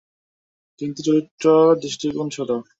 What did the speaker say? কিন্তু চরিত্রের দৃষ্টিকোণ ছোট।